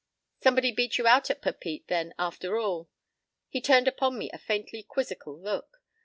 "Somebody beat you out at Papeete, then, after all?" He turned upon me a faintly quizzical look.